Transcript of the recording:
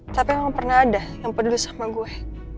tapi memang pernah ada yang peduli sama gue